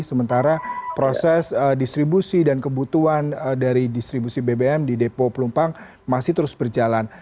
sementara proses distribusi dan kebutuhan dari distribusi bbm di depo pelumpang masih terus berjalan